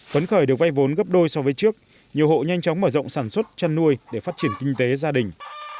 phấn khởi được vay vốn gấp đôi so với trước nhiều hộ nhanh chóng mở rộng sản xuất chăn nuôi để phát triển kinh tế gia đình